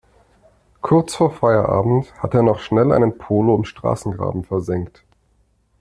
Kurz vor Feierabend hat er noch schnell einen Polo im Straßengraben versenkt.